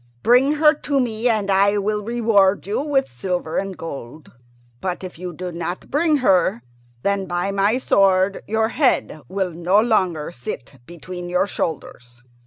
Bring her to me, and I will reward you with silver and gold. But if you do not bring her, then, by my sword, your head will no longer sit between your shoulders!"